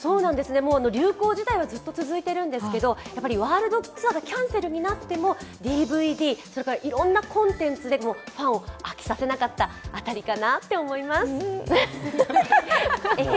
流行自体はずっと続いているんですけれども、ワールドツアーがキャンセルになってもＤＶＤ、いろんなコンテンツでファンを飽きさせなかった辺りかな、えへ。